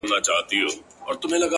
هغې بېگاه زما د غزل کتاب ته اور واچوه;